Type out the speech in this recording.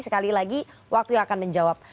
sekali lagi waktu yang akan menjawab